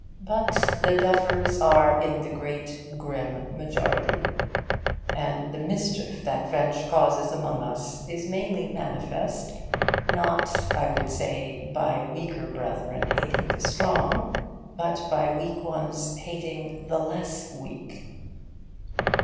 But the duffers are in a great grim majority; and the mischief that French causes among us is mainly manifest, not (I would say) by weaker brethren hating the stronger, but by weak ones hating the less weak.